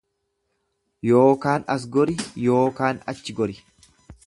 Yookaan as gori, yookaan achi gori.